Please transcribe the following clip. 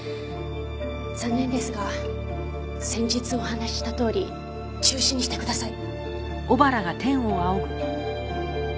残念ですが先日お話ししたとおり中止にしてください。